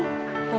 ya sama sekali